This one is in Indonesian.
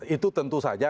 itu tentu saja